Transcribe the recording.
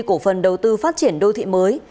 cổ phần đầu tư phát triển đô thị mới